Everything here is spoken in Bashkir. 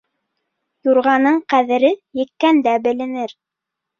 Юрғаның ҡәҙере еккәндә беленер.